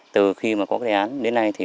từ khi có đề án đến nay